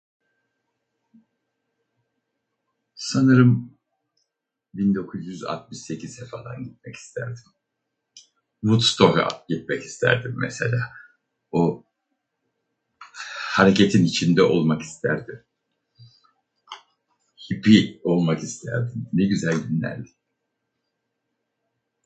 Sanırım 1968'e falan gitmek isterdim. Woodstock'a gitmek isterdim mesela. O hareketin içinde olmak isterdim. Hippi olmak isterdim. Ne güzel günlerdi.